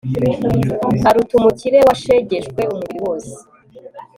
aruta umukire washegeshwe umubiri wose